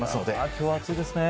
今日は暑いですね。